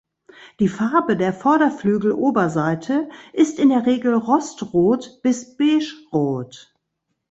Die Farbe der Vorderflügeloberseite ist in der Regel rostrot bis beige rot.